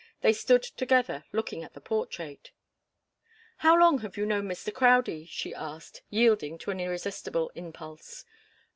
They stood together, looking at the portrait. "How long have you known Mr. Crowdie?" she asked, yielding to an irresistible impulse.